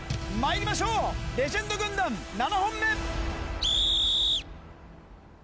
まいりましょうレジェンド軍団７本目！